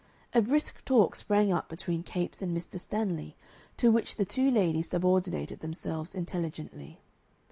A brisk talk sprang up between Capes and Mr. Stanley, to which the two ladies subordinated themselves intelligently.